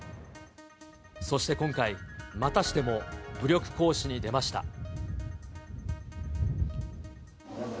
そして今回、またしても武力行使に出ました。